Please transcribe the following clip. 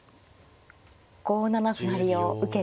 ５七歩成を受けて。